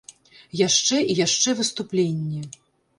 Яшчэ і яшчэ выступленні.